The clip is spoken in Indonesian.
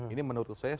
ini menurut saya